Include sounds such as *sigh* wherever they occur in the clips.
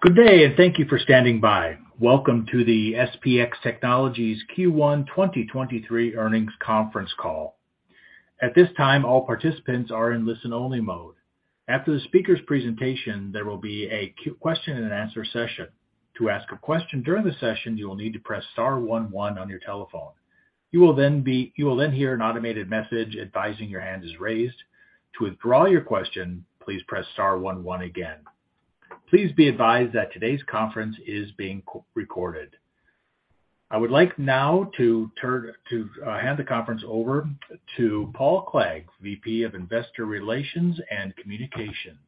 Good day, and thank you for standing by. Welcome to the SPX Technologies Q1 2023 earnings conference call. At this time, all participants are in listen-only mode. After the speaker's presentation, there will be a question and answer session. To ask a question during the session, you will need to press star one one on your telephone. You will then hear an automated message advising your hand is raised. To withdraw your question, please press star one one again. Please be advised that today's conference is being co-recorded. I would like now to turn to hand the conference over to Paul Clegg, VP of Investor Relations and Communications.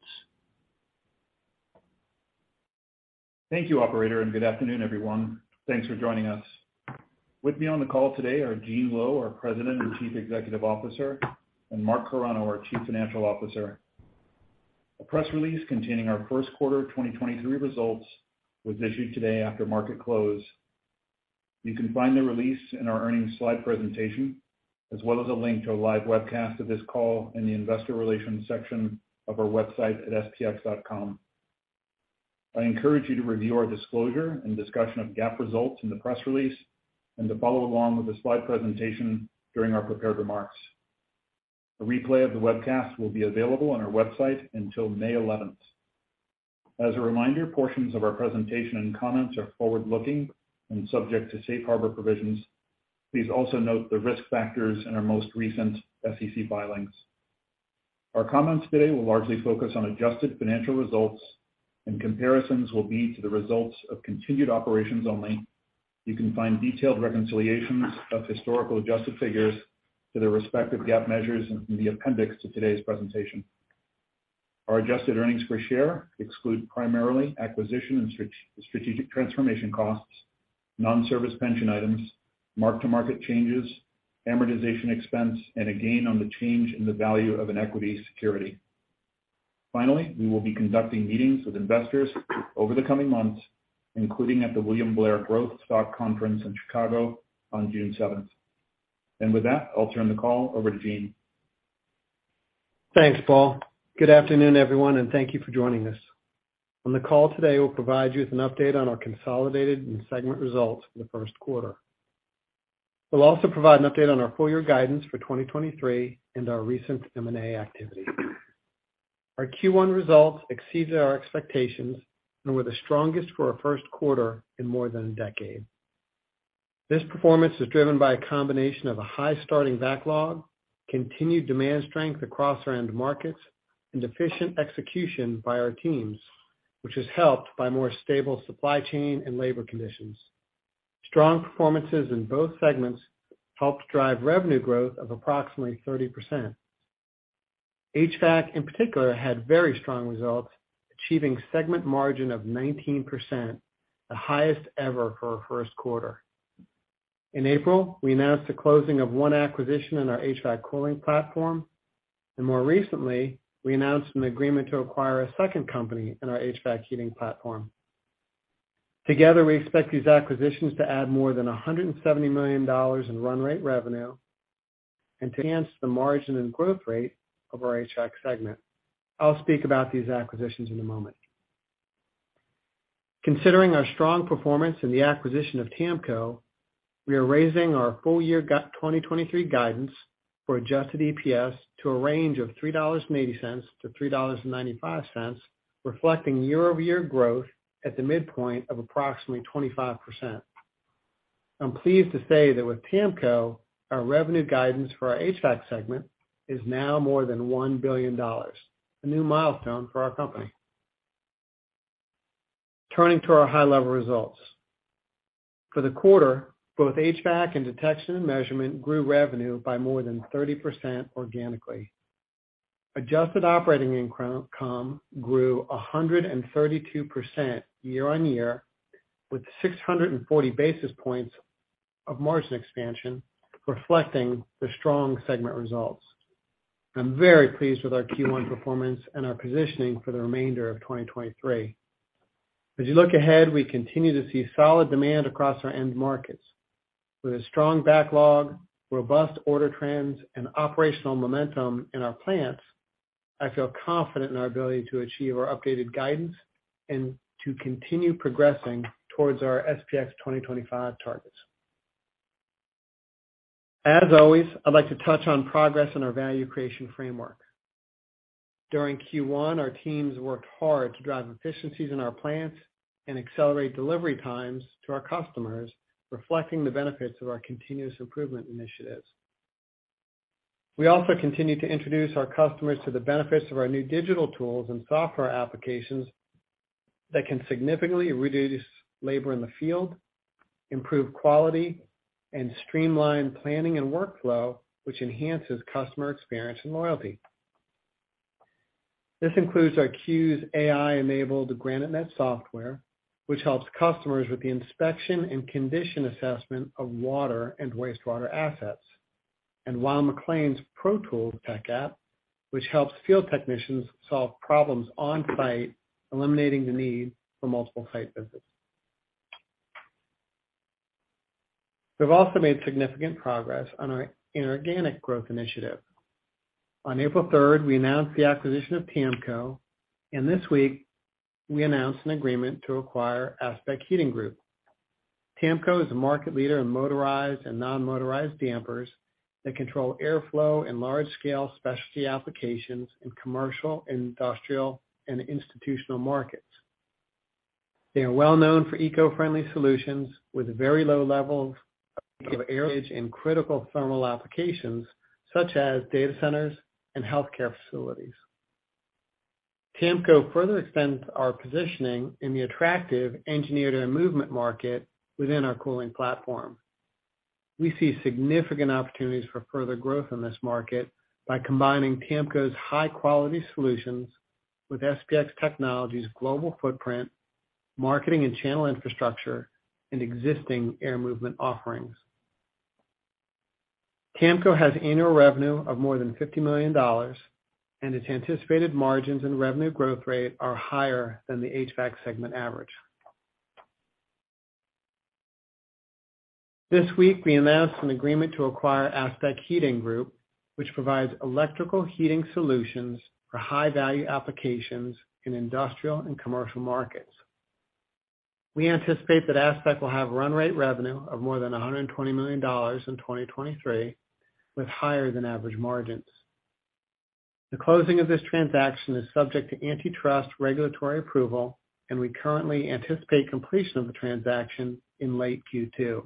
Thank you, Operator, and good afternoon, everyone. Thanks for joining us. With me on the call today are Gene Lowe, our President and Chief Executive Officer, and Mark Carano, our Chief Financial Officer. A press release containing our Q1 2023 results was issued today after market close. You can find the release in our earnings slide presentation as well as a link to a live webcast of this call in the investor relations section of our website at spx.com. I encourage you to review our disclosure and discussion of GAAP results in the press release and to follow along with the slide presentation during our prepared remarks. A replay of the webcast will be available on our website until 11 May. As a reminder, portions of our presentation and comments are forward-looking and subject to Safe Harbor provisions. Please also note the risk factors in our most recent SEC filings. Our comments today will largely focus on adjusted financial results, and comparisons will be to the results of continued operations only. You can find detailed reconciliations of historical adjusted figures to their respective GAAP measures in the appendix to today's presentation. Our adjusted earnings per share exclude primarily acquisition and strategic transformation costs, non-service pension items, mark-to-market changes, amortization expense, and a gain on the change in the value of an equity security. Finally, we will be conducting meetings with investors over the coming months, including at the William Blair growth stock conference in Chicago on June seventh. With that, I'll turn the call over to Gene. Thanks, Paul. Good afternoon, everyone, thank you for joining us. On the call today, we'll provide you with an update on our consolidated and segment results for the Q1. We'll also provide an update on our full year guidance for 2023 and our recent M&A activity. Our Q1 results exceeded our expectations and were the strongest for our Q1 in more than a decade. This performance is driven by a combination of a high starting backlog, continued demand strength across our end markets, and efficient execution by our teams, which is helped by more stable supply chain and labor conditions. Strong performances in both segments helped drive revenue growth of approximately 30%. HVAC in particular had very strong results, achieving segment margin of 19%, the highest ever for a Q1. In April, we announced the closing of one acquisition in our HVAC cooling platform. More recently, we announced an agreement to acquire a two company in our HVAC heating platform. Together, we expect these acquisitions to add more than $170 million in run rate revenue and to enhance the margin and growth rate of our HVAC segment. I'll speak about these acquisitions in a moment. Considering our strong performance in the acquisition of TAMCO, we are raising our full year 2023 guidance for adjusted EPS to a range of $3.80 to $3.95, reflecting year-over-year growth at the midpoint of approximately 25%. I'm pleased to say that with TAMCO, our revenue guidance for our HVAC segment is now more than $1 billion, a new milestone for our company. Turning to our high-level results. For the quarter, both HVAC and Detection & Measurement grew revenue by more than 30% organically. Adjusted operating income grew 132% year-on-year, with 640 basis points of margin expansion reflecting the strong segment results. I'm very pleased with our Q1 performance and our positioning for the remainder of 2023. As you look ahead, we continue to see solid demand across our end markets. With a strong backlog, robust order trends, and operational momentum in our plants, I feel confident in our ability to achieve our updated guidance and to continue progressing towards our SPX 2025 targets. As always, I'd like to touch on progress in our value creation framework. During Q1, our teams worked hard to drive efficiencies in our plants and accelerate delivery times to our customers, reflecting the benefits of our continuous improvement initiatives. We also continue to introduce our customers to the benefits of our new digital tools and software applications that can significantly reduce labor in the field, improve quality, and streamline planning and workflow, which enhances customer experience and loyalty. This includes our CUES AI-enabled GraniteNet software, which helps customers with the inspection and condition assessment of water and wastewater assets, and Weil-McLain's ProTools app, which helps field technicians solve problems on-site, eliminating the need for multiple site visits. We've also made significant progress on our inorganic growth initiative. On 3 April, we announced the acquisition of TAMCO, and this week we announced an agreement to acquire ASPEQ Heating Group. TAMCO is a market leader in motorized and non-motorized dampers that control airflow in large-scale specialty applications in commercial, industrial, and institutional markets. They are well-known for eco-friendly solutions with very low levels of airage in critical thermal applications such as data centers and healthcare facilities. TAMCO further extends our positioning in the attractive engineered air movement market within our cooling platform. We see significant opportunities for further growth in this market by combining TAMCO's high-quality solutions with SPX Technologies' global footprint, marketing and channel infrastructure, and existing air movement offerings. TAMCO has annual revenue of more than $50 million, and its anticipated margins and revenue growth rate are higher than the HVAC segment average. This week, we announced an agreement to acquire ASPEQ Heating Group, which provides electrical heating solutions for high-value applications in industrial and commercial markets. We anticipate that ASPEQ will have run rate revenue of more than $120 million in 2023, with higher than average margins. The closing of this transaction is subject to antitrust regulatory approval, and we currently anticipate completion of the transaction in late Q2.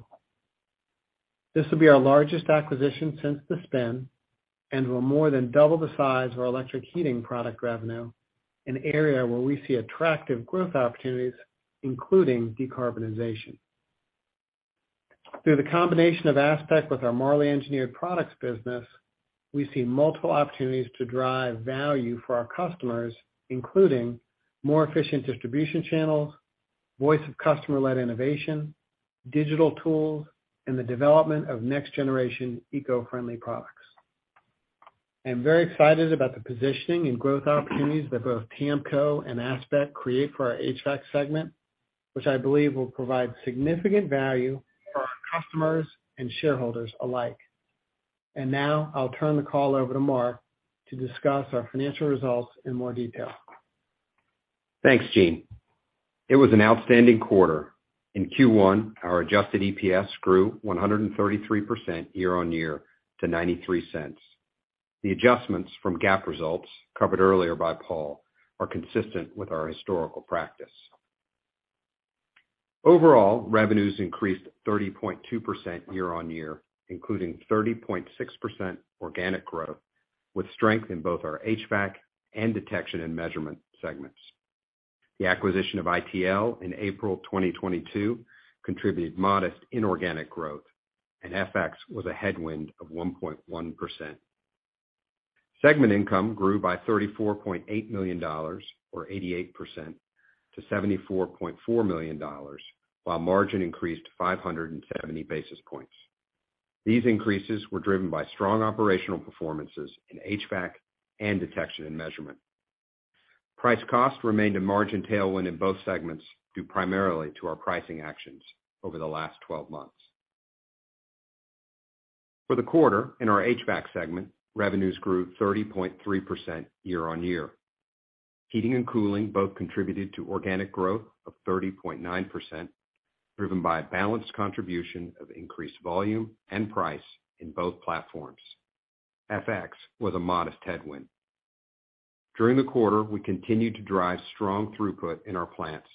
This will be our largest acquisition since the spin and will more than double the size of our electric heating product revenue, an area where we see attractive growth opportunities, including decarbonization. Through the combination of ASPEQ with our Marley Engineered Products business, we see multiple opportunities to drive value for our customers, including more efficient distribution channels, voice of customer-led innovation, digital tools, and the development of next-generation eco-friendly products. I am very excited about the positioning and growth opportunities that both TAMCO and ASPEQ create for our HVAC segment, which I believe will provide significant value for our customers and shareholders alike. Now I'll turn the call over to Mark to discuss our financial results in more detail. Thanks, Gene. It was an outstanding quarter. In Q1, our adjusted EPS grew 133% year-over-year to $0.93. The adjustments from GAAP results covered earlier by Paul are consistent with our historical practice. Overall, revenues increased 30.2% year-over-year, including 30.6% organic growth, with strength in both our HVAC and Detection & Measurement segments. The acquisition of ITL in April 2022 contributed modest inorganic growth, and FX was a headwind of 1.1%. Segment income grew by $34.8 million, or 88% to $74.4 million, while margin increased 570 basis points. These increases were driven by strong operational performances in HVAC and Detection & Measurement. Price cost remained a margin tailwind in both segments, due primarily to our pricing actions over the last 12 months. For the quarter, in our HVAC segment, revenues grew 30.3% year-over-year. Heating and cooling both contributed to organic growth of 30.9%, driven by a balanced contribution of increased volume and price in both platforms. FX was a modest headwind. During the quarter, we continued to drive strong throughput in our plants,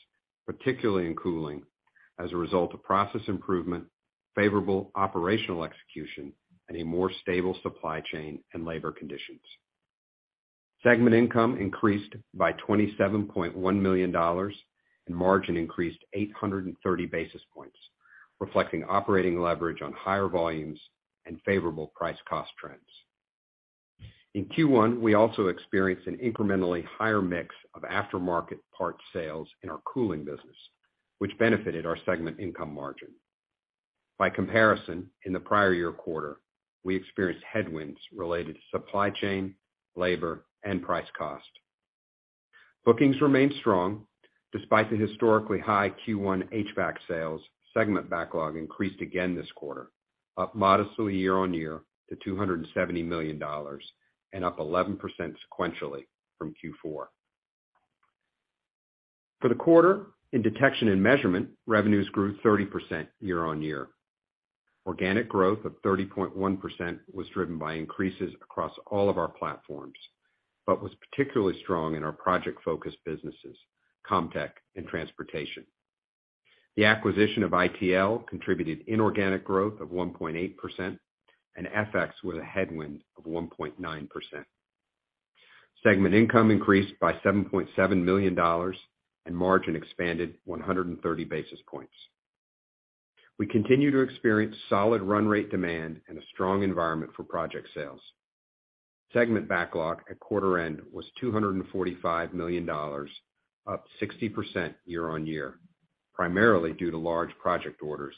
particularly in cooling, as a result of process improvement, favorable operational execution, and a more stable supply chain and labor conditions. Segment income increased by $27.1 million, and margin increased 830 basis points, reflecting operating leverage on higher volumes and favorable price cost trends. In Q1, we also experienced an incrementally higher mix of aftermarket parts sales in our cooling business, which benefited our segment income margin. By comparison, in the prior year quarter, we experienced headwinds related to supply chain, labor, and price cost. Bookings remained strong despite the historically high Q1 HVAC sales. Segment backlog increased again this quarter, up modestly year-over-year to $270 million and up 11% sequentially from Q4. For the quarter, in Detection & Measurement, revenues grew 30% year-over-year. Organic growth of 30.1% was driven by increases across all of our platforms, but was particularly strong in our project-focused businesses, CommTech and Transportation. The acquisition of ITL contributed inorganic growth of 1.8%, and FX was a headwind of 1.9%. Segment income increased by $7.7 million, and margin expanded 130 basis points. We continue to experience solid run rate demand and a strong environment for project sales. Segment backlog at quarter end was $245 million, up 60% year-over-year, primarily due to large project orders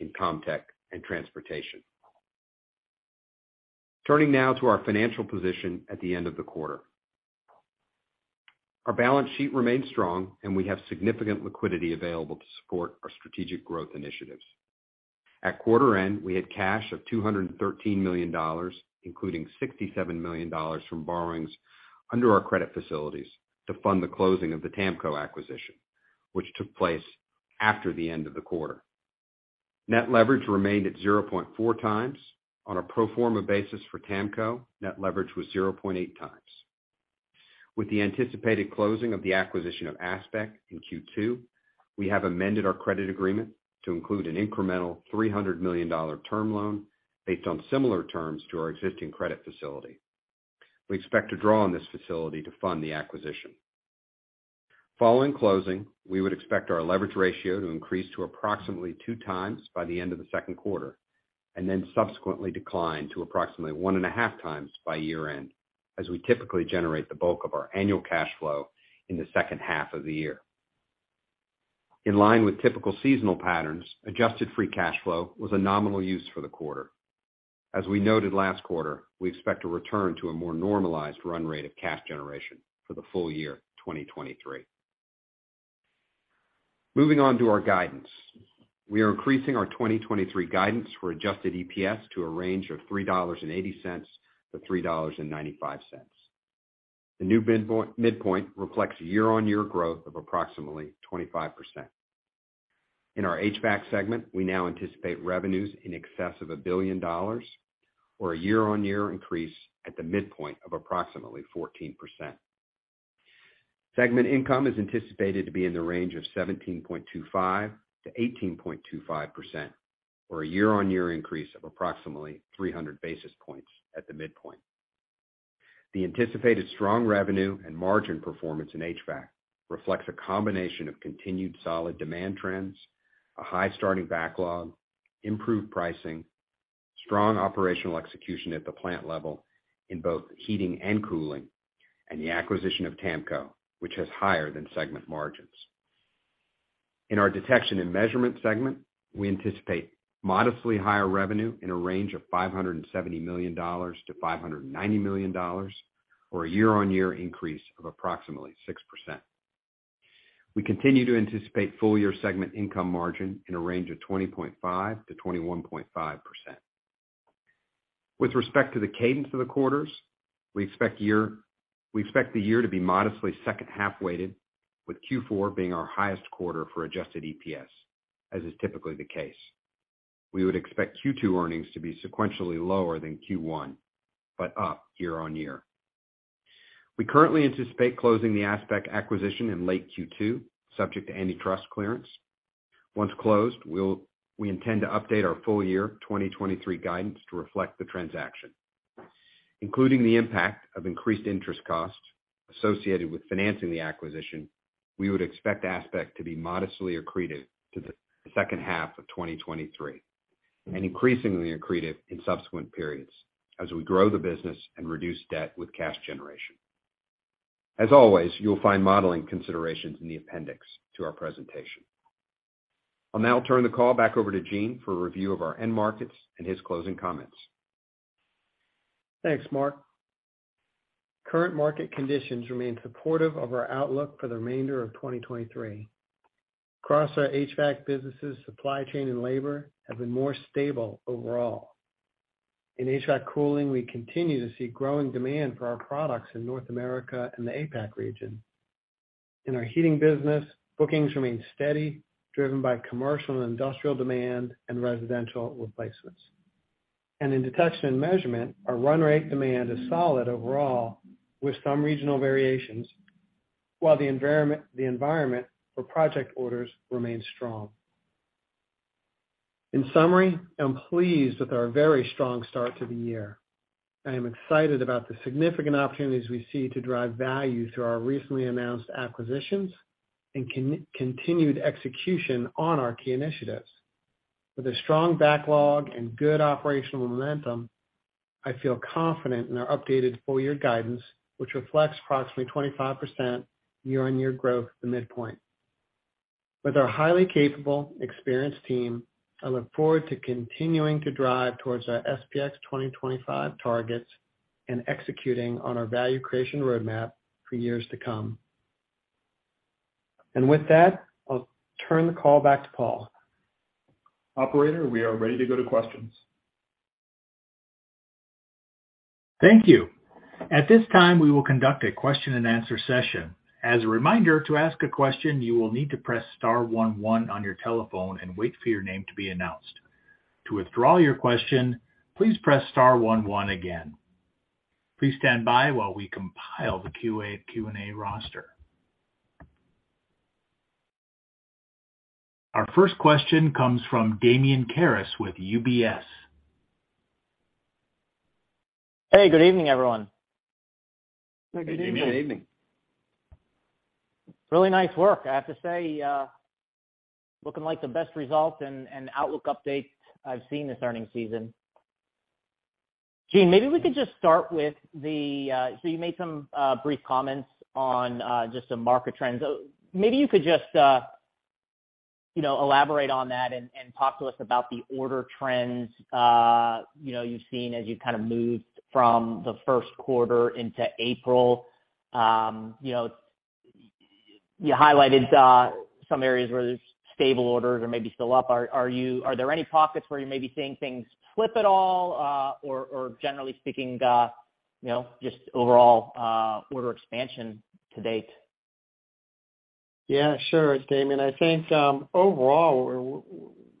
in CommTech and Transportation. Turning now to our financial position at the end of the quarter. Our balance sheet remains strong, and we have significant liquidity available to support our strategic growth initiatives. At quarter end, we had cash of $213 million, including $67 million from borrowings under our credit facilities to fund the closing of the TAMCO acquisition, which took place after the end of the quarter. Net leverage remained at 0.4x. On a pro forma basis for TAMCO, net leverage was 0.8x. With the anticipated closing of the acquisition of ASPEQ in Q2, we have amended our credit agreement to include an incremental $300 million term loan based on similar terms to our existing credit facility. We expect to draw on this facility to fund the acquisition. Following closing, we would expect our leverage ratio to increase to approximately two times by the end of the Q2, and then subsequently decline to approximately 1.5 times by year-end, as we typically generate the bulk of our annual cash flow in the second half of the year. In line with typical seasonal patterns, adjusted free cash flow was a nominal use for the quarter. As we noted last quarter, we expect to return to a more normalized run rate of cash generation for the full year 2023. Moving on to our guidance. We are increasing our 2023 guidance for adjusted EPS to a range of $3.80 to $3.95. The new midpoint reflects a year-on-year growth of approximately 25%. In our HVAC segment, we now anticipate revenues in excess of $1 billion or a year-on-year increase at the midpoint of approximately 14%. Segment income is anticipated to be in the range of 17.25% to 18.25% or a year-on-year increase of approximately 300 basis points at the midpoint. The anticipated strong revenue and margin performance in HVAC reflects a combination of continued solid demand trends, a high starting backlog, improved pricing, strong operational execution at the plant level in both heating and cooling, and the acquisition of TAMCO, which has higher than segment margins. In our Detection & Measurement segment, we anticipate modestly higher revenue in a range of $570 to 590 million or a year-on-year increase of approximately 6%. We continue to anticipate full year segment income margin in a range of 20.5% to 21.5%. With respect to the cadence of the quarters, we expect the year to be modestly second half-weighted, with Q4 being our highest quarter for adjusted EPS, as is typically the case. We would expect Q2 earnings to be sequentially lower than Q1, but up year-on-year. We currently anticipate closing the ASPEQ acquisition in late Q2, subject to antitrust clearance. Once closed, we intend to update our full year 2023 guidance to reflect the transaction. Including the impact of increased interest costs associated with financing the acquisition, we would expect ASPEQ to be modestly accretive to the second half of 2023 and increasingly accretive in subsequent periods as we grow the business and reduce debt with cash generation. As always, you'll find modeling considerations in the appendix to our presentation. I'll now turn the call back over to Gene for a review of our end markets and his closing comments. Thanks, Mark. Current market conditions remain supportive of our outlook for the remainder of 2023. Across our HVAC businesses, supply chain and labor have been more stable overall. In HVAC cooling, we continue to see growing demand for our products in North America and the APAC region. In our heating business, bookings remain steady, driven by commercial and industrial demand and residential replacements. In Detection & Measurement, our run rate demand is solid overall with some regional variations, while the environment for project orders remains strong. In summary, I'm pleased with our very strong start to the year. I am excited about the significant opportunities we see to drive value through our recently announced acquisitions and continued execution on our key initiatives. With a strong backlog and good operational momentum, I feel confident in our updated full year guidance, which reflects approximately 25% year-on-year growth at the midpoint. With our highly capable, experienced team, I look forward to continuing to drive towards our SPX 2025 targets and executing on our value creation roadmap for years to come. With that, I'll turn the call back to Paul. Operator, we are ready to go to questions. Thank you. At this time, we will conduct a question-and-answer session. As a reminder, to ask a question, you will need to press star one one on your telephone and wait for your name to be announced. To withdraw your question, please press star one one again. Please stand by while we compile the Q&A roster. Our first question comes from Damian Karas with UBS. Hey, good evening, everyone. Good evening. Good evening. Really nice work, I have to say, looking like the best result and outlook update I've seen this earnings season. Gene, maybe we could just start with the so you made some brief comments on just some market trends. Maybe you could just You know, elaborate on that and talk to us about the order trends, you know, you've seen as you kind of moved from the Q1 into April. You know, you highlighted some areas where there's stable orders or maybe still up are there any pockets where you may be seeing things flip at all, or generally speaking, you know, just overall order expansion to date? Yeah, sure, Damian. I think, overall,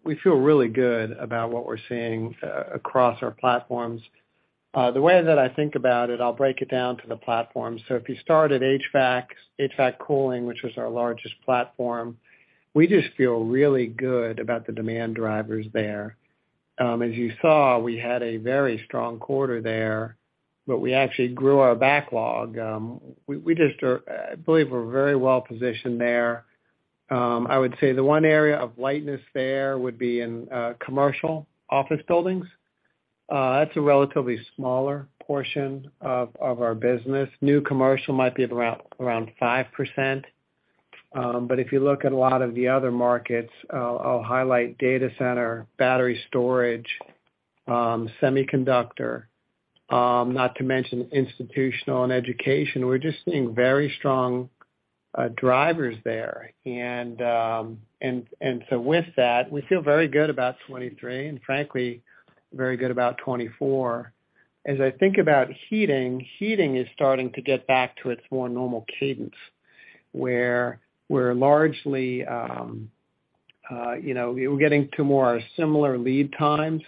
we feel really good about what we're seeing across our platforms. The way that I think about it, I'll break it down to the platform if you start at HVAC cooling, which is our largest platform, we just feel really good about the demand drivers there. As you saw, we had a very strong quarter there, we actually grew our backlog. We just, I believe, we're very well positioned there. I would say the one area of lightness there would be in commercial office buildings. That's a relatively smaller portion of our business new commercial might be around 5%. If you look at a lot of the other markets, I'll highlight data center, battery storage, semiconductor, not to mention institutional and education we're just seeing very strong drivers there. With that, we feel very good about 2023 and frankly, very good about 2024. As I think about heating is starting to get back to its more normal cadence, where we're largely, you know, we're getting to more similar lead times,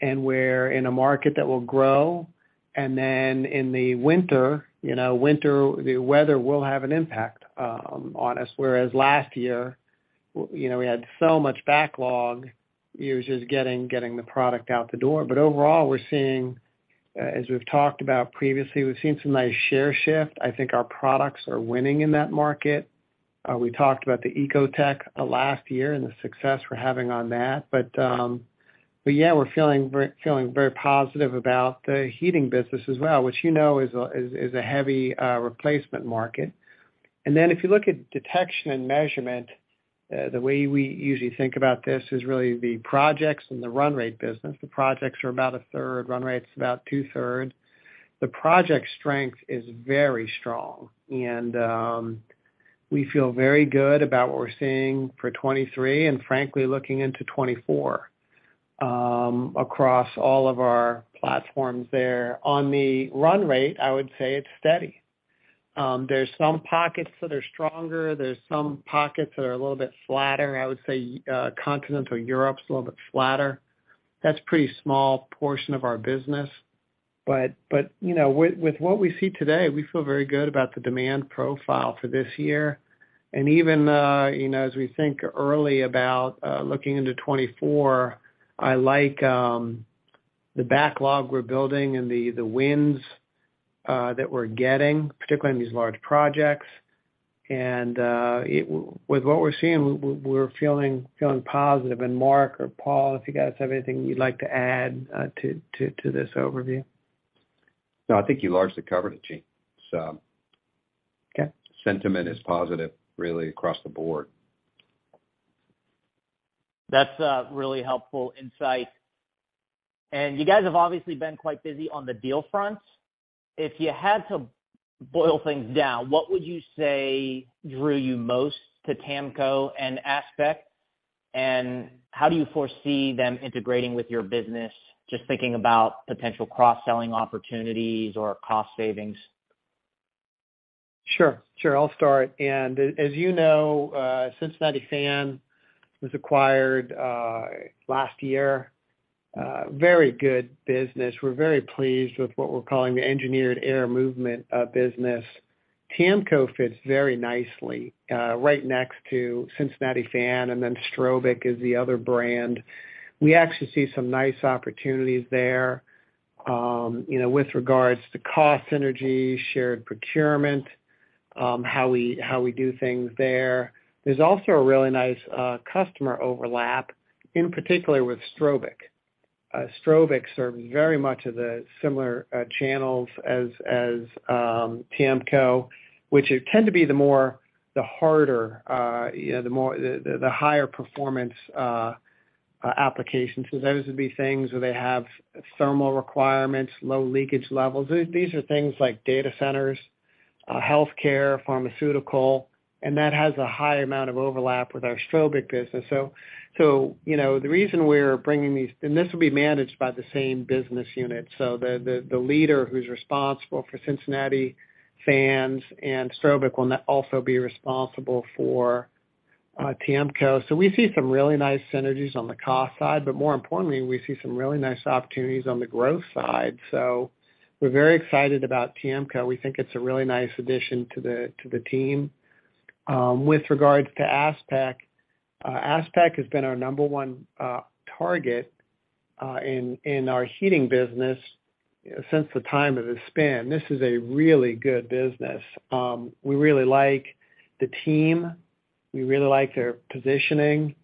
and we're in a market that will grow. In the winter, you know, winter, the weather will have an impact on us, whereas last year, you know, we had so much backlog, it was just getting the product out the door overall, we're seeing, as we've talked about previously, we've seen some nice share shift i think our products are winning in that market. We talked about the Ecostream last year and the success we're having on that. Yeah, we're feeling very positive about the heating business as well, which, you know, is a heavy replacement market. If you look at detection and measurement, the way we usually think about this is really the projects and the run rate business the projects are about 1/3, run rate's about 2/3. The project strength is very strong, we feel very good about what we're seeing for 2023 and frankly, looking into 2024, across all of our platforms there on the run rate, I would say it's steady. There's some pockets that are stronger. There's some pockets that are a little bit flatter would say continental Europe's a little bit flatter. That's pretty small portion of our business. You know, with what we see today, we feel very good about the demand profile for this year. Even, you know, as we think early about looking into 2024, I like the backlog we're building and the wins that we're getting, particularly in these large projects. With what we're seeing, we're feeling positive. Mark or Paul, if you guys have anything you'd like to add to this overview. No, I think you largely covered it, Gene. Okay. Sentiment is positive really across the board. That's really helpful insight. You guys have obviously been quite busy on the deal front. If you had to boil things down, what would you say drew you most to TAMCO and ASPEQ, and how do you foresee them integrating with your business? Just thinking about potential cross-selling opportunities or cost savings. Sure. Sure, I'll start. As you know, Cincinnati Fan was acquired last year. Very good business we're very pleased with what we're calling the engineered air movement business. TAMCO fits very nicely right next to Cincinnati Fan, and then Strobic is the other brand. We actually see some nice opportunities there, you know, with regards to cost synergy, shared procurement, how we do things there. There's also a really nice customer overlap, in particular with Strobic. Strobic serves very much of the similar channels as TAMCO, which tend to be the more, the harder, you know, the more, the higher performance applications so those would be things where they have thermal requirements, low leakage levels these are things like data centers, healthcare, pharmaceutical, and that has a high amount of overlap with our Strobic business. You know, the reason we're bringing these this will be managed by the same business unit. The leader who's responsible for Cincinnati Fan and Strobic will now also be responsible for TAMCO we see some really nice synergies on the cost side, but more importantly, we see some really nice opportunities on the growth side. We're very excited about TAMCO. We think it's a really nice addition to the team. With regards to ASPEQ has been our number one target in our heating business since the time of the spin this is a really good business. We really like the team. We really like their positioning.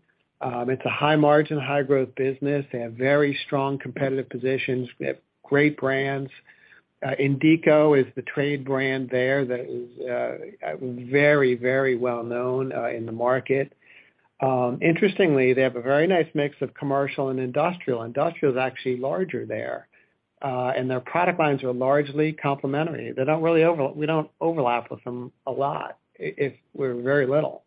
It's a high margin, high growth business they have very strong competitive positions. They have great brands. INDEECO is the trade brand there that is very well known in the market. Interestingly, they have a very nice mix of commercial and industrial. Industrial is actually larger there. Their product lines are largely complementary we don't overlap with them a lot, we're very little.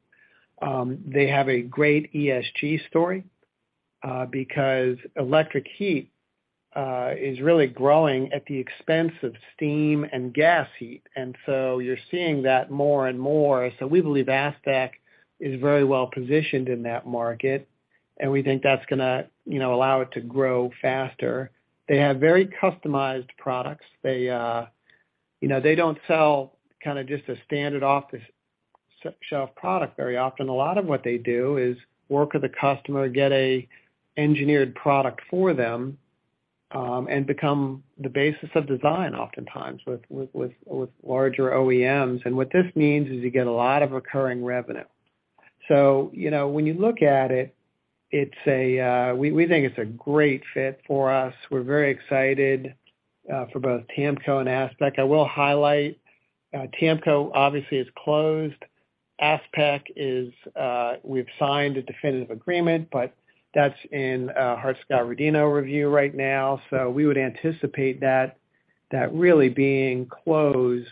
They have a great ESG story because electric heat is really growing at the expense of steam and gas heat, you're seeing that more and more we believe ASPEQ is very well positioned in that market, we think that's gonna, you know, allow it to grow faster. They have very customized products. They, you know, they don't sell kinda just a standard off the shelf product very often a lot of what they do is work with a customer, get a engineered product for them, and become the basis of design oftentimes with larger OEMs. What this means is you get a lot of recurring revenue. You know, when you look at it, We think it's a great fit for us. We're very excited for both TAMCO and ASPEQ. I will highlight, TAMCO obviously is closed. ASPEQ is, we've signed a definitive agreement, but that's in Hart-Scott-Rodino review right now we would anticipate that really being closed,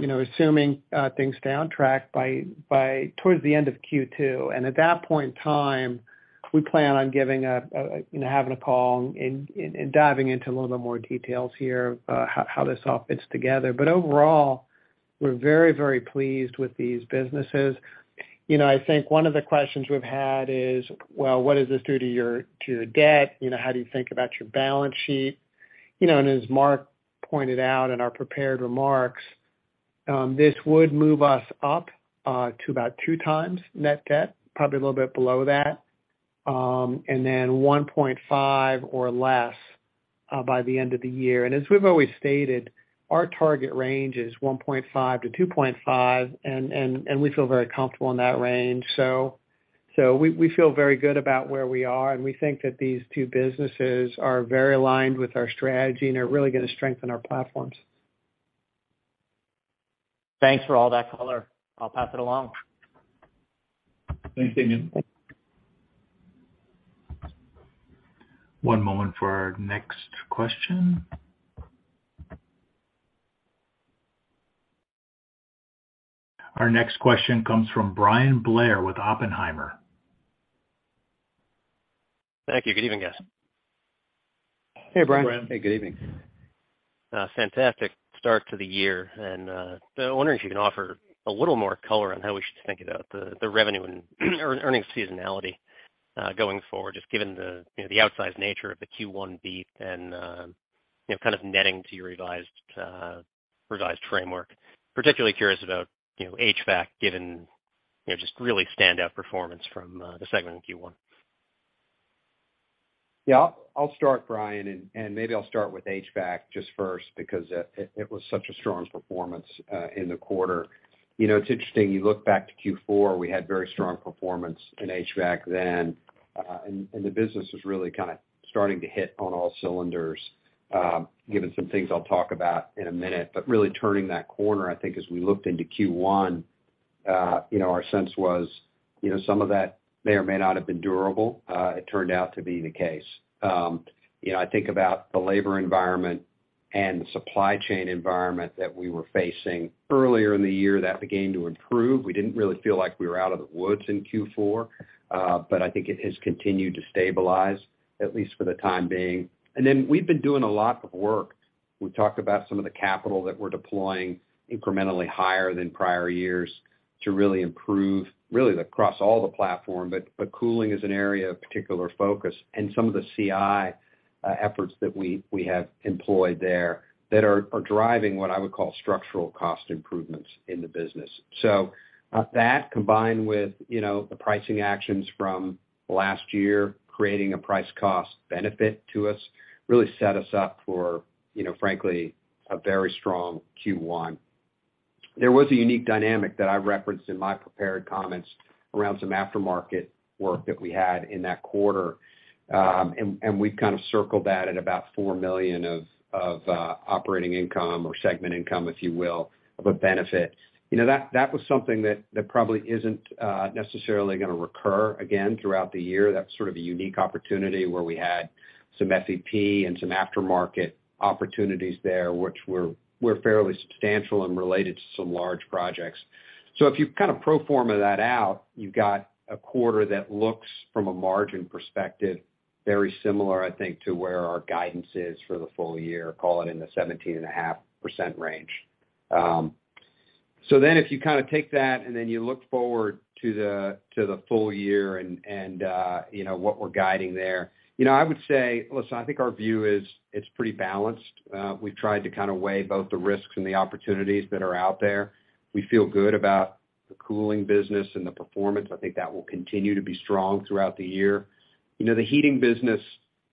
you know, assuming things stay on track by towards the end of Q2 at that point in time, we plan on giving a, you know, having a call and diving into a little bit more details here, how this all fits together overall-- -we're very pleased with these businesses. You know, I think one of the questions we've had is, well, what does this do to your debt? You know, how do you think about your balance sheet? You know, as Mark pointed out in our prepared remarks. This would move us up to about two times net debt, probably a little bit below that, and then 1.5% or less by the end of the year as we've always stated, our target range is 1.5% to 2.5%, and we feel very comfortable in that range. We feel very good about where we are, and we think that these two businesses are very aligned with our strategy and are really gonna strengthen our platforms. Thanks for all that color. I'll pass it along. Thanks, Damian. One moment for our next question. Our next question comes from Bryan Blair with Oppenheimer. Thank you. Good evening, guys. Hey, Bryan. Hey, good evening. Fantastic start to the year, I'm wondering if you can offer a little more color on how we should think about the revenue and earnings seasonality going forward, just given the, you know, the outsized nature of the Q1 beat and, you know, kind of netting to your revised revised framework. Particularly curious about, you know, HVAC given, you know, just really standout performance from the segment in Q1. Yeah. I'll start, Bryan. Maybe I'll start with HVAC just first because, it was such a strong performance in the quarter. You know, it's interesting, you look back to Q4, we had very strong performance in HVAC then, and the business was really kinda starting to hit on all cylinders, given some things I'll talk about in a minute really turning that corner, I think, as we looked into Q1, you know, our sense was, some of that may or may not have been durable. It turned out to be the case. You know, I think about the labor environment and the supply chain environment that we were facing earlier in the year that began to improve we didn't really feel like we were out of the woods in Q4, but I think it has continued to stabilize, at least for the time being. We've been doing a lot of work. We've talked about some of the capital that we're deploying incrementally higher than prior years to really improve, really across all the platform, but cooling is an area of particular focus and some of the CI efforts that we have employed there that are driving what I would call structural cost improvements in the business. That combined with, you know, the pricing actions from last year, creating a price cost benefit to us, really set us up for, you know, frankly, a very strong Q1. There was a unique dynamic that I referenced in my prepared comments around some aftermarket work that we had in that quarter, and we've kind of circled that at about $4 million of operating income or segment income, if you will, of a benefit. You know, that was something that probably isn't gonna recur again throughout the year that's sort of a unique opportunity where we had some SPXC and some aftermarket opportunities there, which were fairly substantial and related to some large projects. If you kind of pro forma that out, you've got a quarter that looks from a margin perspective, very similar, I think, to where our guidance is for the full year, call it in the 17.5% range. If you kind of take that and then you look forward to the full year and you know, what we're guiding there, you know, I would say, listen, I think our view is it's pretty balanced. We've tried to kind of weigh both the risks and the opportunities that are out there. We feel good about the cooling business and the performance. I think that will continue to be strong throughout the year. You know, the heating business,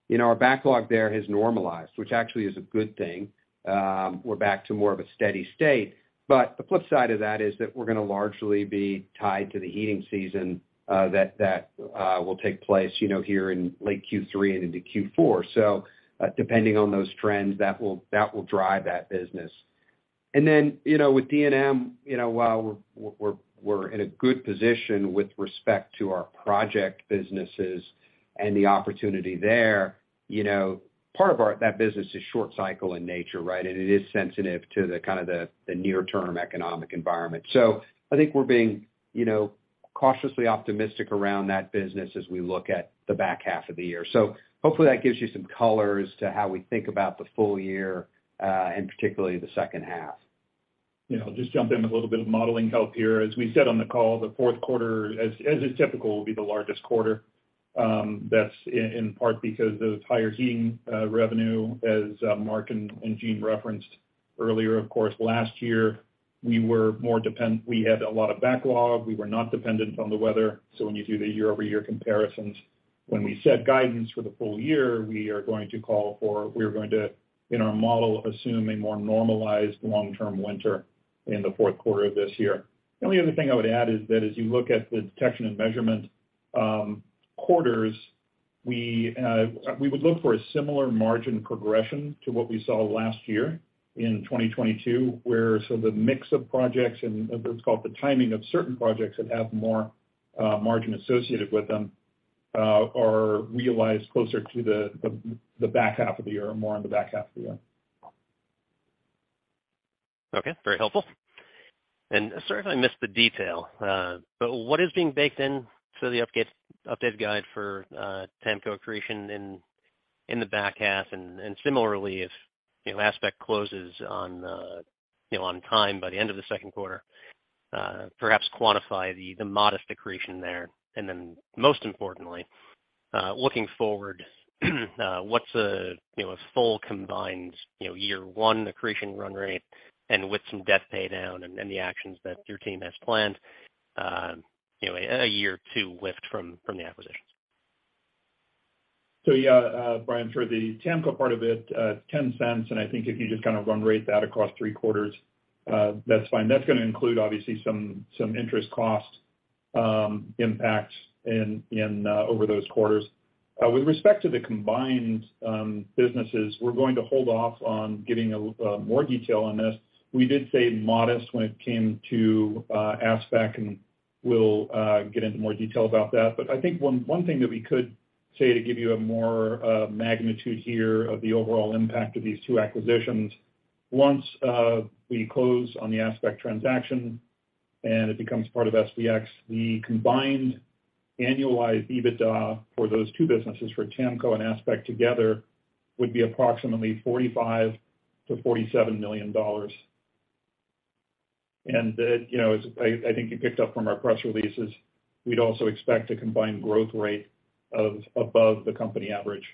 you know, our backlog there has normalized, which actually is a good thing. We're back to more of a steady state. The flip side of that is that we're gonna largely be tied to the heating season that will take place, you know, here in late Q3 and into Q4. Depending on those trends, that will drive that business. You know, with D&M, you know, while we're in a good position with respect to our project businesses and the opportunity there, you know, part of that business is short cycle in nature, right? It is sensitive to the kind of the near term economic environment. I think we're being, you know, cautiously optimistic around that business as we look at the back half of the year. Hopefully that gives you some color as to how we think about the full year and particularly the second half. Yeah, I'll just jump in with a little bit of modeling help here. As we said on the call, the Q4 as is typical, will be the largest quarter. That's in part because of higher heating revenue, as Mark and Gene referenced earlier of course, last year, we were more we had a lot of backlog. We were not dependent on the weather when you do the year-over-year comparisons, when we set guidance for the full year, we are going to, in our model, assume a more normalized long-term winter in the Q4 of this year. The only other thing I would add is that as you look at the detection and measurement, quarters, we would look for a similar margin progression to what we saw last year in 2022, where some of the mix of projects and of, let's call it, the timing of certain projects that have more margin associated with them, are realized closer to the back half of the year, or more in the back half of the year. Okay, very helpful. Sorry if I missed the detail, but what is being baked into the updated guide for Tamco accretion in the back half? Similarly, if, you know, ASPEQ closes on, you know, on time by the end of the Q2, perhaps quantify the modest accretion there. Then most importantly, looking forward, what's a, you know, a full combined, you know, year one accretion run rate and with some debt pay down and the actions that your team has planned, you know, a year or two lift from the acquisitions? Yeah, Bryan, for the TAMCO part of it, $0.10, and I think if you just kind of run rate that across three quarters, that's fine that's gonna include obviously some interest cost impacts over those quarters. With respect to the combined businesses, we're going to hold off on giving more detail on this. We did say modest when it came to ASPEQ, and we'll get into more detail about that i think one thing that we could say to give you a more magnitude here of the overall impact of these two acquisitions. Once we close on the ASPEQ transaction and it becomes part of SPX, the combined annualized EBITDA for those two businesses, for TAMCO and ASPEQ together, would be approximately $45 to 47 million. That, you know, as I think you picked up from our press releases, we'd also expect a combined growth rate of above the company average.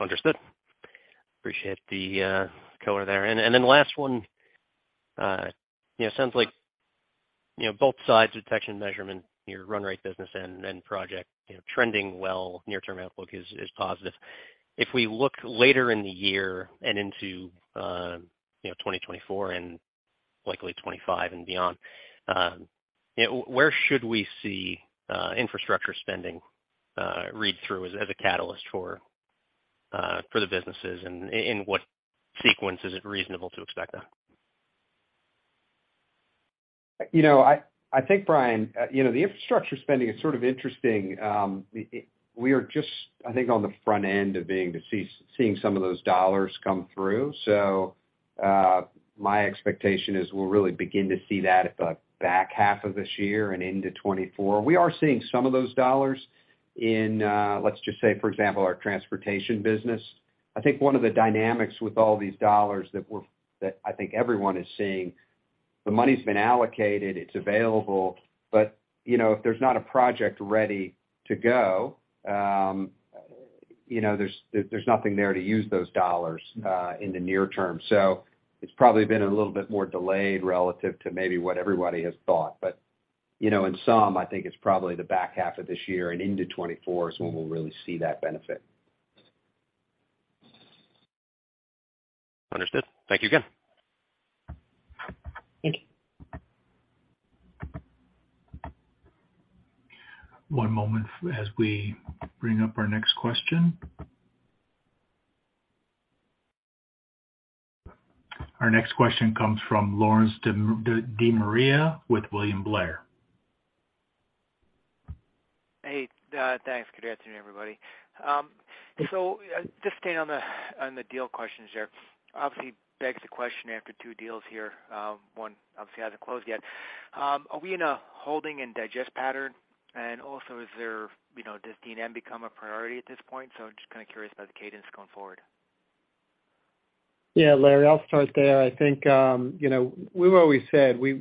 Understood. Appreciate the color there and then last one. You know, sounds like, you know, both sides, detection measurement, your run rate business and project, you know, trending well, near-term outlook is positive. If we look later in the year and into, you know, 2024 and likely 2025 and beyond, you know, where should we see infrastructure spending read through as a catalyst for the businesses? In what sequence is it reasonable to expect that? You know, I think, Bryan, you know, the infrastructure spending is sort of interesting. We are just, I think, on the front end of seeing some of those dollars come through. My expectation is we'll really begin to see that at the back half of this year and into 2024 we are seeing some of those dollars in, let's just say, for example, our Transportation business. I think one of the dynamics with all these dollars that I think everyone is seeing, the money's been allocated, it's available, but, you know, if there's not a project ready to go. You know, there's nothing there to use those dollars in the near term. It's probably been a little bit more delayed relative to maybe what everybody has thought. You know, in sum, I think it's probably the back half of this year and into 2024 is when we'll really see that benefit. Understood. Thank you again. Thank you. One moment as we bring up our next question. Our next question comes from Lawrence De Maria with William Blair. Hey, thanks. Good afternoon, everybody. Just staying on the, on the deal questions there, obviously begs the question after two deals here, one obviously hasn't closed yet. Are we in a holding and digest pattern? Also, is there, you know, does D&M become a priority at this point? Just kind of curious about the cadence going forward. Yeah, Larry, I'll start there. I think, you know, we've always said we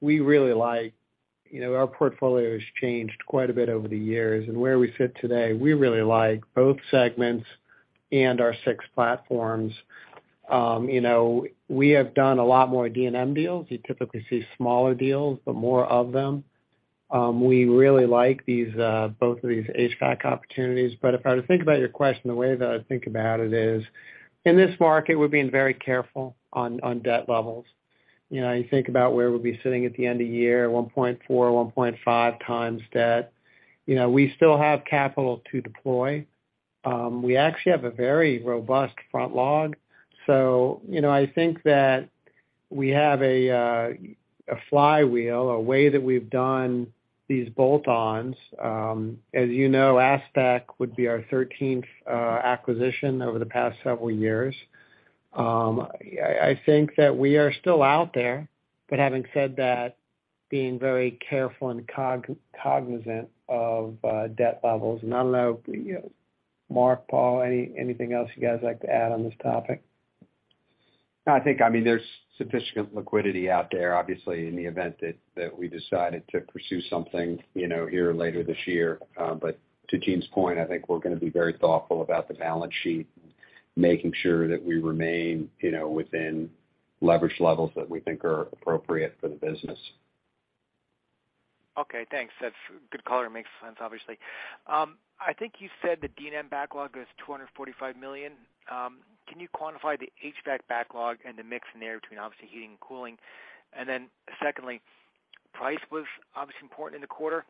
really like... You know, our portfolio has changed quite a bit over the years and where we sit today, we really like both segments. Our six platforms. you know, we have done a lot more D&M deals you typically see smaller deals, but more of them. We really like these both of these HVAC opportunities if I were to think about your question, the way that I think about it is, in this market, we're being very careful on debt levels. You know, you think about where we'll be sitting at the end of year, 1.4x, 1.5x debt. You know, we still have capital to deploy. We actually have a very robust front log. you know, I think that we have a flywheel, a way that we've done these bolt-ons. As you know, ASPEQ would be our 13 acquisition over the past several years. I think that we are still out there, but having said that, being very careful and cognizant of debt levels and, you know, Mark, Paul, anything else you guys like to add on this topic? I think, I mean, there's sufficient liquidity out there, obviously, in the event that we decided to pursue something, you know, here later this year. To Gene's point, I think we're gonna be very thoughtful about the balance sheet, making sure that we remain, you know, within leverage levels that we think are appropriate for the business. Okay, thanks. That's a good color and makes sense, obviously. I think you said the D&M backlog is $245 million. Can you quantify the HVAC backlog and the mix in there between obviously heating and cooling? Secondly, price was obviously important in the quarter.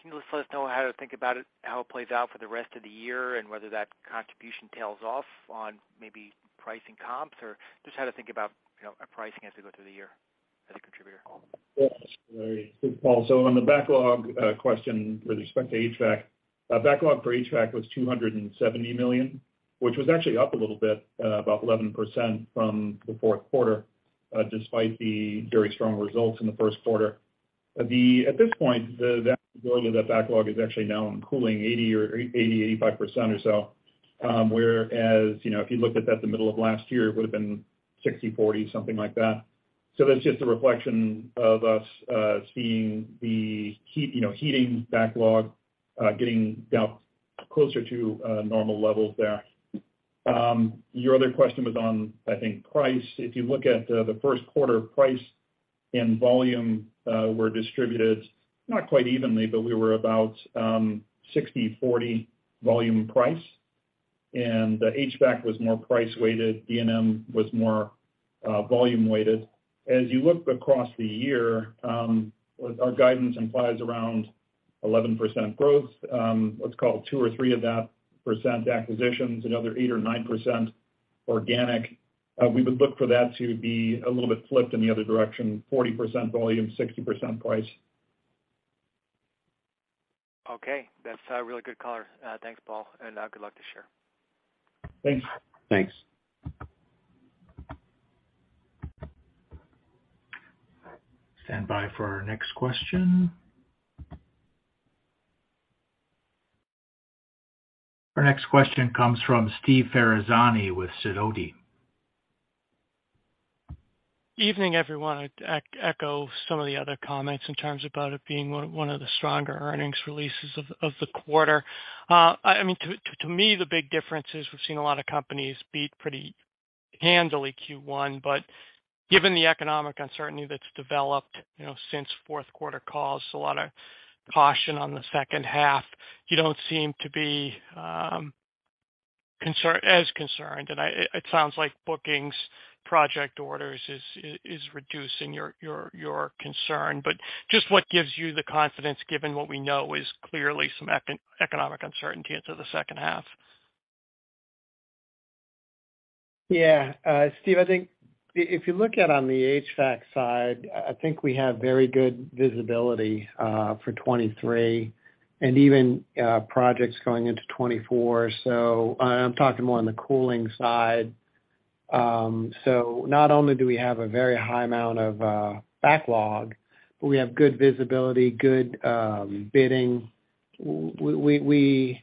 Can you just let us know how to think about it, how it plays out for the rest of the year, and whether that contribution tails off on maybe pricing comps? Just how to think about, you know, pricing as we go through the year as a contributor. Yes. Sorry, Paul. On the backlog question with respect to HVAC. Backlog for HVAC was $270 million, which was actually up a little bit, about 11% from the Q4, despite the very strong results in the Q1. At this point, the majority of that backlog is actually now in cooling 80% or 85% or so. Whereas, you know, if you look at that the middle of last year, it would have been 60/40, something like that. That's just a reflection of us seeing the heat, you know, heating backlog getting now closer to normal levels there. Your other question was on, I think, price if you look at the Q1 price and volume were distributed not quite evenly, but we were about 60/40 volume price, and the HVAC was more price-weighted, D&M was more volume-weighted. As you look across the year, our guidance implies around 11% growth, let's call 2% or 3% acquisitions, another 8% or 9% organic. We would look for that to be a little bit flipped in the other direction, 40% volume, 60% price. Okay. That's a really good color. Thanks, Paul. Good luck to share. Thanks. Thanks. Stand by for our next question. Our next question comes from Steve Ferazani with Sidoti. Evening, everyone. I echo some of the other comments in terms about it being one of the stronger earnings releases of the quarter. I mean, to me, the big difference is we've seen a lot of companies beat pretty handily Q1. Given the economic uncertainty that's developed, you know, since Q4 calls, a lot of caution on the second half, you don't seem to be as concerned it sounds like bookings project orders is reducing your concern. Just what gives you the confidence, given what we know is clearly some economic uncertainty into the second half? Steve Ferazani, I think if you look at on the HVAC side, I think we have very good visibility for 2023 and even projects going into 2024. I'm talking more on the cooling side. Not only do we have a very high amount of backlog, but we have good visibility, good bidding. We,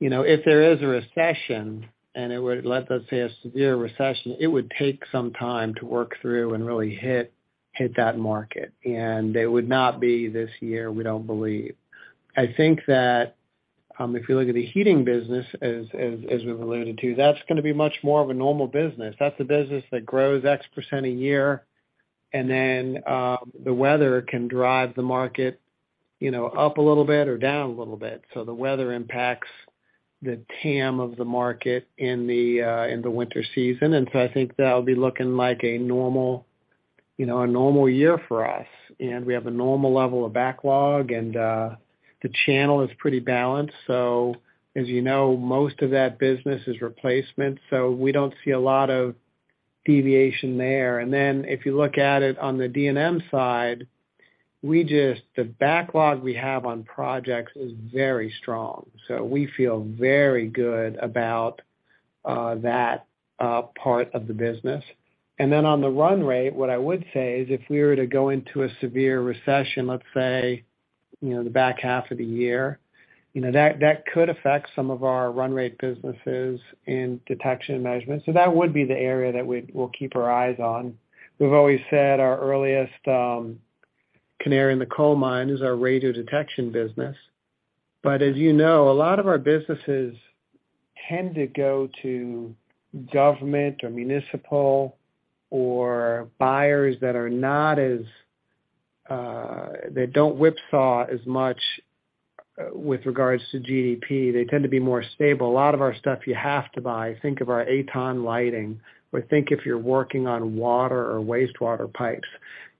you know, if there is a recession, and it would, let's say, a severe recession, it would take some time to work through and really hit that market, and it would not be this year, we don't believe. I think that, if you look at the heating business, as we've alluded to, that's gonna be much more of a normal business that's the business that grows *inaudible* a year, the weather can drive the market, you know, up a little bit or down a little bit. The weather impacts the TAM of the market in the winter season. I think that'll be looking like a normal, you know, a normal year for us. We have a normal level of backlog and the channel is pretty balanced. As you know, most of that business is replacement, so we don't see a lot of deviation there. If you look at it on the D&M side, the backlog we have on projects is very strong. We feel very good about that part of the business. On the run rate, what I would say is if we were to go into a severe recession, let's say, you know, the back half of the year, you know, that could affect some of our run rate businesses in Detection & Measurement that would be the area that we'll keep our eyes on. We've always said our earliest Canary in the coal mine is our Radiodetection business. As you know, a lot of our businesses tend to go to government or municipal or buyers that are not as, they don't whipsaw as much with regards to GDP they tend to be more stable a lot of our stuff you have to buy think of our AtoN lighting, or think if you're working on water or wastewater pipes.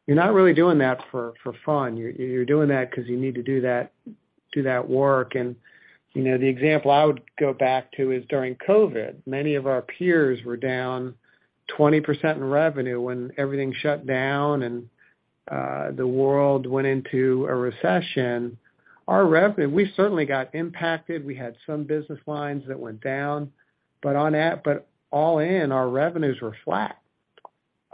You're not really doing that for fun. You're doing that 'cause you need to do that work. You know, the example I would go back to is during COVID, many of our peers were down 20% in revenue when everything shut down and the world went into a recession. Our revenue we certainly got impacted we had some business lines that went down. All in, our revenues were flat.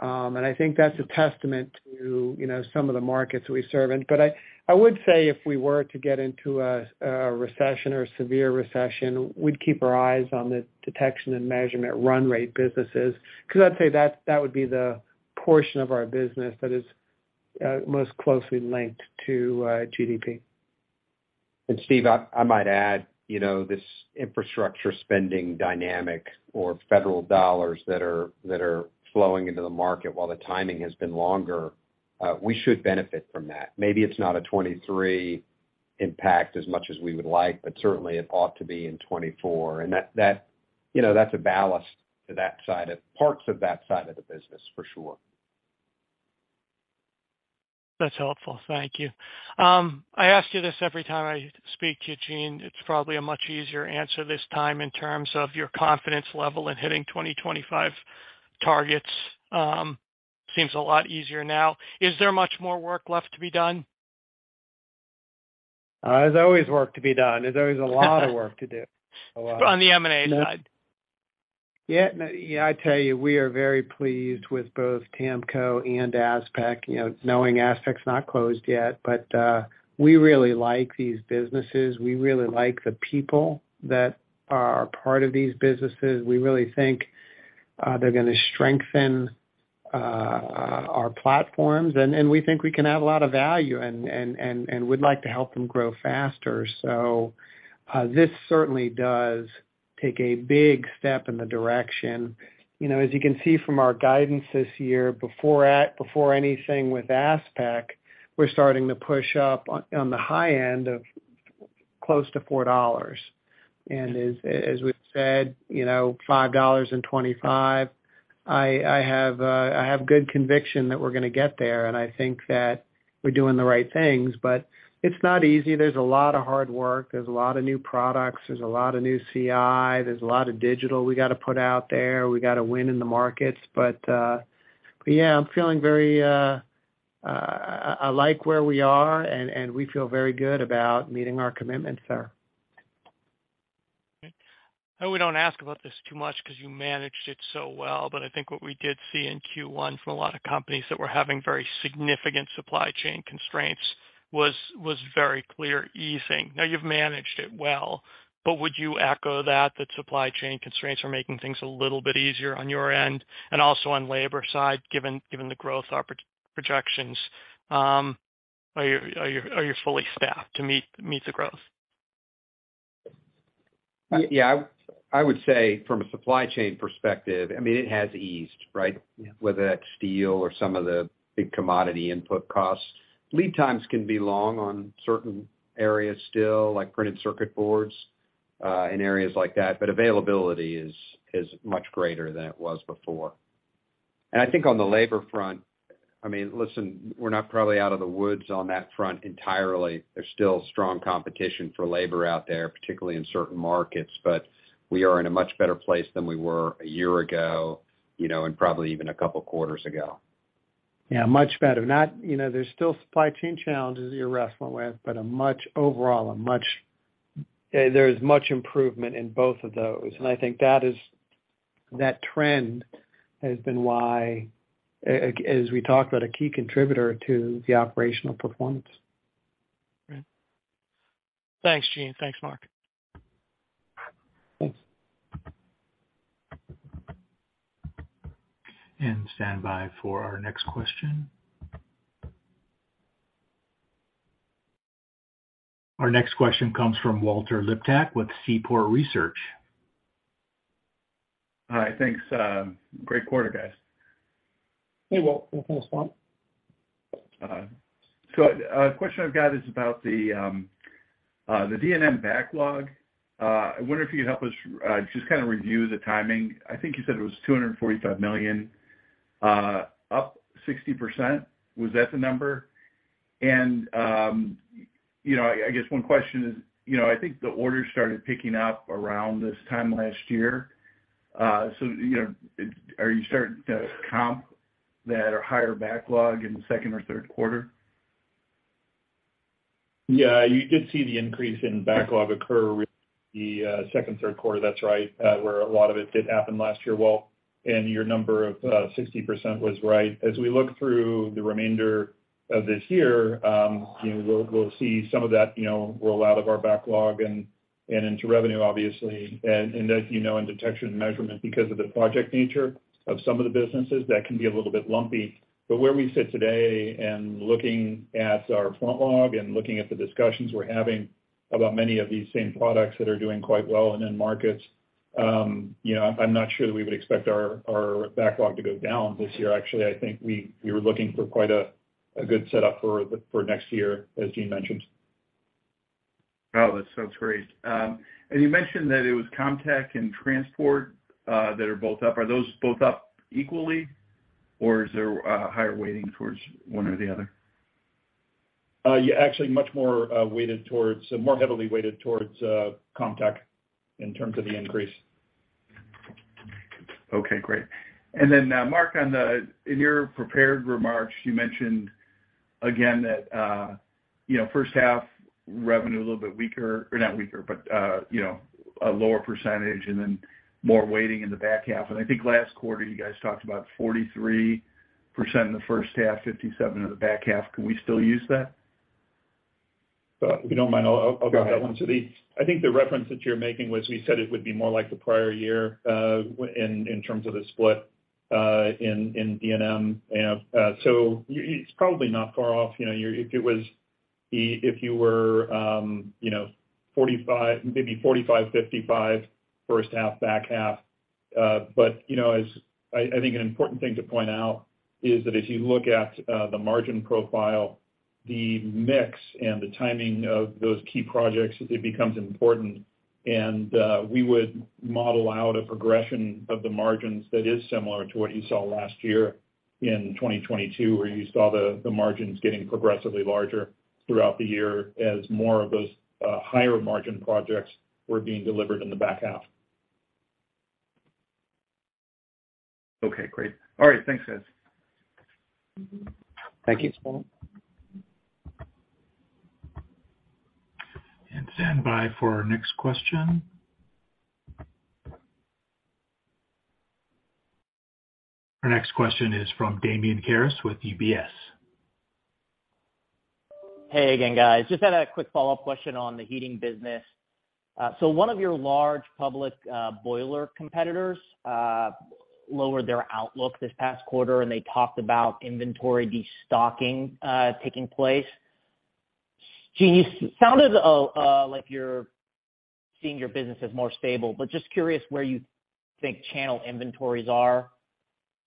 I think that's a testament to, you know, some of the markets we serve in i would say if we were to get into a recession or a severe recession, we'd keep our eyes on the Detection & Measurement run rate businesses, 'cause I'd say that would be the portion of our business that is most closely linked to GDP. Steve, I might add, you know, this infrastructure spending dynamic or federal dollars that are flowing into the market while the timing has been longer, we should benefit from that. Maybe it's not a 2023 impact as much as we would like, but certainly it ought to be in 2024. That, you know, that's a ballast to parts of that side of the business for sure. That's helpful. Thank you. I ask you this every time I speak to you, Gene it's probably a much easier answer this time in terms of your confidence level in hitting 2025 targets. Seems a lot easier now. Is there much more work left to be done? There's always work to be done. There's always a lot of work to do. A lot. On the M&A side. I tell you, we are very pleased with both TAMCO and ASPEQ, you know, knowing ASPEQ's not closed yet. We really like these businesses. We really like the people that are part of these businesses. We really think they're gonna strengthen our platforms. We think we can add a lot of value and we'd like to help them grow faster. This certainly does take a big step in the direction. You know, as you can see from our guidance this year, before anything with ASPEQ, we're starting to push up on the high end of close to $4. As we've said, you know, $5.25, I have good conviction that we're gonna get there, and I think that we're doing the right things. It's not easy there's a lot of hard work there's a lot of new products there's a lot of new CI. There's a lot of digital we gotta put out there we gotta win in the markets. Yeah, I'm feeling very, I like where we are, and we feel very good about meeting our commitments there. Okay. I know we don't ask about this too much 'cause you managed it so well, but I think what we did see in Q1 from a lot of companies that were having very significant supply chain constraints was very clear easing now you've managed it well, but would you echo that supply chain constraints are making things a little bit easier on your end? Also on labor side, given the growth projections, are you fully staffed to meet the growth? Yeah. I would say from a supply chain perspective, I mean, it has eased, right? Whether that's steel or some of the big commodity input costs. Lead times can be long on certain areas still, like printed circuit boards, and areas like that, but availability is much greater than it was before. I think on the labor front, I mean, listen, we're not probably out of the woods on that front entirely. There's still strong competition for labor out there, particularly in certain markets. We are in a much better place than we were a year ago, you know, and probably even a couple quarters ago. Yeah, much better. Not, you know, there's still supply chain challenges that you're wrestling with, but there's much improvement in both of those, and I think that is, that trend has been why, as we talked about, a key contributor to the operational performance. Right. Thanks, Gene. Thanks, Mark. Thanks. Stand by for our next question. Our next question comes from Walter Liptak with Seaport Research. Hi. Thanks. Great quarter, guys. Hey, Walt. Thanks, Walt. A question I've got is about the DNM backlog. I wonder if you could help us just kinda review the timing. I think you said it was $245 million, up 60%. Was that the number? You know, I guess one question is, you know, I think the orders started picking up around this time last year. You know, are you starting to comp that higher backlog in the Q2 or Q3? Yeah. You did see the increase in backlog occur the, Q2, Q3. That's right. Where a lot of it did happen last year, Walt. Your number of, 60% was right as we look through the remainder of this year, You know, we'll see some of that, you know, roll out of our backlog and into revenue, obviously. As you know, in detection and measurement, because of the project nature of some of the businesses, that can be a little bit lumpy. Where we sit today and looking at our front log and looking at the discussions we're having about many of these same products that are doing quite well and in markets, you know, I'm not sure that we would expect our backlog to go down this year actually, I think we were looking for quite a good setup for next year, as Gene mentioned. Oh, that sounds great. You mentioned that it was CommTech and Transportation, that are both up. Are those both up equally, or is there a higher weighting towards one or the other? Yeah. Actually much more heavily weighted towards CommTech in terms of the increase. Okay, great. Mark, in your prepared remarks, you mentioned again that, you know, first half revenue a little bit weaker or not weaker, but, you know, a lower percentage and then more weighting in the back half i think last quarter you guys talked about 43% in the first half, 57% in the back half can we still use that? If you don't mind, I'll talk that one. Go ahead. I think the reference that you're making was we said it would be more like the prior year, in terms of the split, in DNM. It's probably not far off, you know if it was if you were, you know, 45%, maybe 45%, 55% first half, back half. You know, as I think an important thing to point out is that if you look at the margin profile. The mix and the timing of those key projects, it becomes important. We would model out a progression of the margins that is similar to what you saw last year in 2022, where you saw the margins getting progressively larger throughout the year as more of those higher margin projects were being delivered in the back half. Okay, great. All right, thanks, guys. Thank you. Stand by for our next question. Our next question is from Damian Karas with UBS. Hey again, guys. Just had a quick follow-up question on the heating business. One of your large public boiler competitors lowered their outlook this past quarter, and they talked about inventory destocking taking place. Gene, you sounded like you're seeing your business as more stable, but just curious where you think channel inventories are.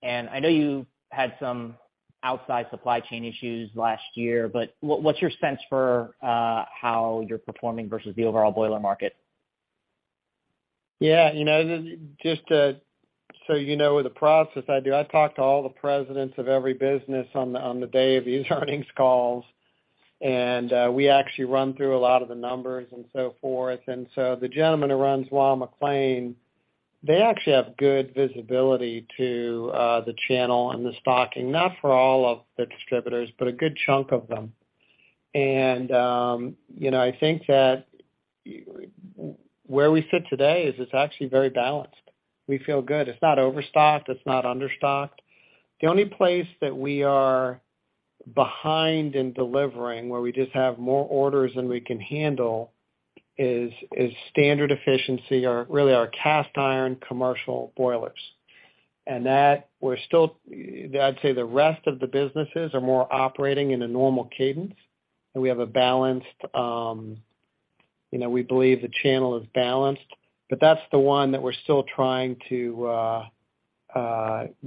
I know you had some outside supply chain issues last year, but what's your sense for how you're performing versus the overall boiler market? Yeah, you know, just to, so you know the process I do, I talk to all the presidents of every business on the, on the day of these earnings calls. We actually run through a lot of the numbers and so forth. The gentleman who runs Weil-McLain, they actually have good visibility to the channel and the stocking, not for all of the distributors, but a good chunk of them. You know, I think that where we sit today is it's actually very balanced. We feel good it's not overstocked, it's not under stocked. The only place that we are behind in delivering, where we just have more orders than we can handle is standard efficiency or really our cast iron commercial boilers. That we're still... I'd say the rest of the businesses are more operating in a normal cadence, and we have a balanced, you know, we believe the channel is balanced, but that's the one that we're still trying to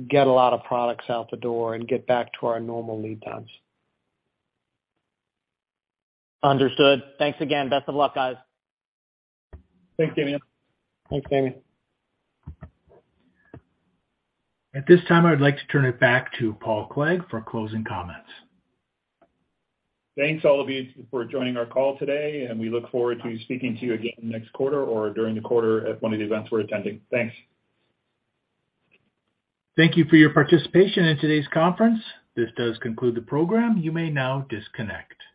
get a lot of products out the door and get back to our normal lead times. Understood. Thanks again. Best of luck, guys. Thanks, Damian. Thanks, Damian. At this time, I would like to turn it back to Paul Clegg for closing comments. Thanks all of you for joining our call today, and we look forward to speaking to you again next quarter or during the quarter at one of the events we're attending. Thanks. Thank you for your participation in today's conference. This does conclude the program. You may now disconnect.